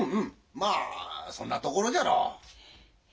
まあそんなところじゃろ。